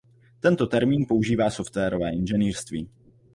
Tento termín používá softwarové inženýrství.